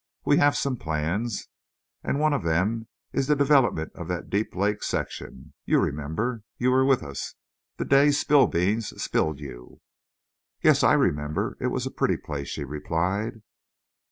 We have some plans. And one of them is the development of that Deep Lake section. You remember—you were with us. The day Spillbeans spilled you?" "Yes, I remember. It was a pretty place," she replied.